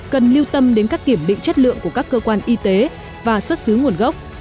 cần lưu tâm đến các kiểm định chất lượng của các cơ quan y tế và xuất xứ nguồn gốc